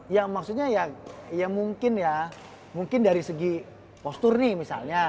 ya maksudnya ya mungkin ya mungkin dari segi posturni misalnya